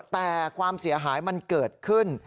แต่ความเสียหายมันเกิดขึ้น